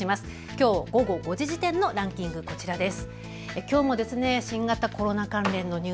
きょう午後５時時点のランキング、こちらです。